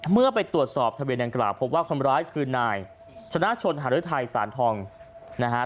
เมื่อไปตรวจสอบทะเบียนดังกล่าวพบว่าคนร้ายคือนายชนะชนหารือไทยสารทองนะฮะ